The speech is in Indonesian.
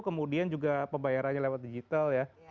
kemudian juga pembayarannya lewat digital ya